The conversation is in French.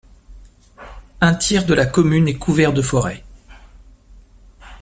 Un tiers de la commune est couvert de forêts.